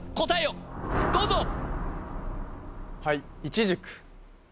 答えをどうぞ！